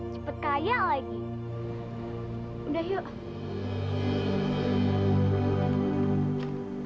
cepat kaya lagi udah yuk